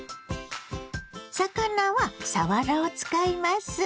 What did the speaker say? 魚はさわらを使います。